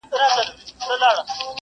چي پیسې لري بس هغه دي ښاغلي،